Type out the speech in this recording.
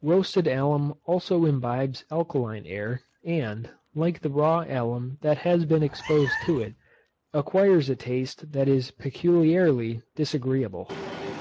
Roasted alum also imbibes alkaline air, and, like the raw alum that has been exposed to it, acquires a taste that is peculiarly disagreeable.